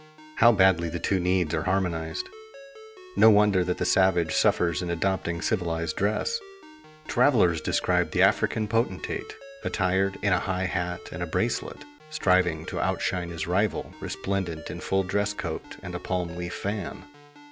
How badly the two needs are harmonized! No wonder that the savage suffers in adopting civilized dress. Travelers describe the African potentate, attired in a high hat and a bracelet, striving to outshine his rival resplendent in full dress coat and a palm leaf fan.